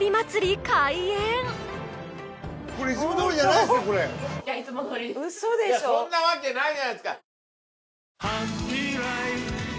・いやそんなわけないじゃないですか。